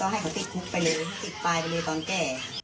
ให้คุกผลไปได้และติดปลายไปตอนแก้